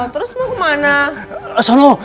terus mau kemana